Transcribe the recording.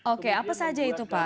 oke apa saja itu pak